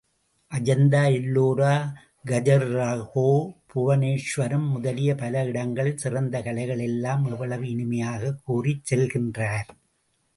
அஜந்தா, எல்லோரா, கஜுரஹோ, புவனேச்வரம் முதலிய பல இடங்களில் சிறந்த கலைகளை எல்லாம் எவ்வளவு இனிமையாகக் கூறிச் செல்கின்றார்.